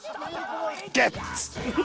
ゲッツ！